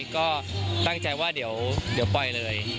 ก็ตั้งใจว่าเดี๋ยวปล่อยเลย